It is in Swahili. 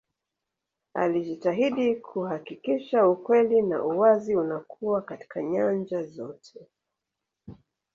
alijitahidi kuhakikisha ukweli na uwazi unakuwa katika nyanja zote